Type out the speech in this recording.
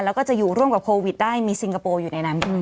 แล้วก็จะอยู่ร่วมกับโควิดได้มีซิงคโปร์อยู่ในนั้นด้วย